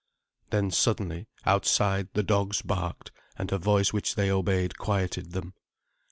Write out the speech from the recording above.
Then suddenly outside the dogs barked, and a voice which they obeyed quieted them.